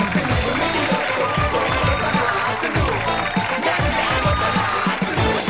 ขอบคุณพี่โต้ดูหน่อยครับ